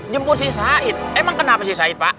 jemput si said emang kenapa si said pak